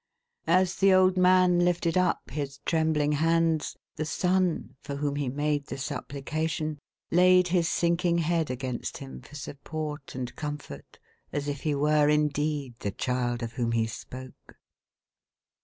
" As the old man lifted up his trembling hands, the son, for whom he made the supplication, laid his sinking head against him for support and comfort, as if he were indeed the child of whom he spoke.